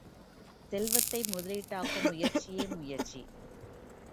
செல்வத்தை முதலீடாக்கும் முயற்சியே முயற்சி.